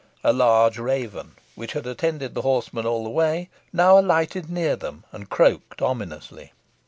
A large raven, which had attended the horsemen all the way, now alighted near them, and croaked ominously.